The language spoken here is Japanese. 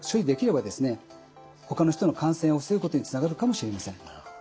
ほかの人の感染を防ぐことにつながるかもしれません。